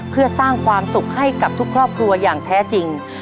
เพื่อสร้างความสุขให้กับทุกครอบครัวอย่างแท้จริง